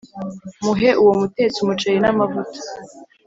muhe uwo mutetsi umuceri n’amavuta